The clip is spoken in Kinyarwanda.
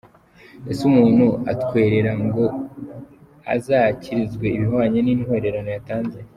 Ese umuntu atwerera ngo azakirizwe ibihwanye n’intwererano yatanze ?.